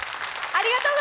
ありがとう！